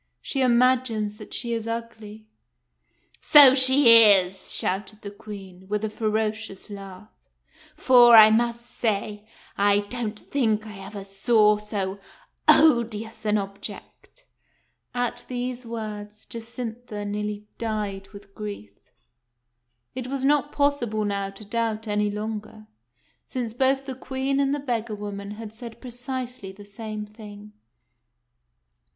She imagines that she is ugly." " So she is," shouted the Queen, with a ferocious laugh ;" for, I must say, I don't think I ever saw so odious an object." At these words Jacintha nearly died with grief. It was not possible now to doubt any longer, since both the Queen and the beggar woman had said precisely the same thing.